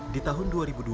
di tahun dua ribu dua belas